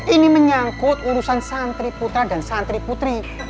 ini menyangkut urusan santri putra dan santri putri